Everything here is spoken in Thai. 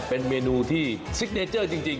เป็นเมนูที่ซิกเนเจอร์จริง